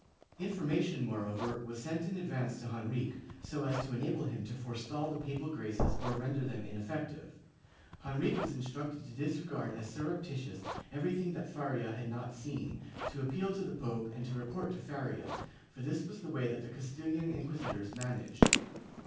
Information, moreover, was sent in advance to Henrique, so as to enable him to forestall the papal graces or render them ineffective. Henrique was instructed to disregard as surreptitious everything that Faria had not seen, to appeal to the pope and to report to Faria, for this was the way that the Castilian inquisitors managed.